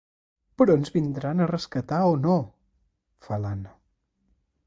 Però ens vindran a rescatar o no? —fa l'Anna.